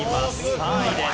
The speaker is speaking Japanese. ３位です。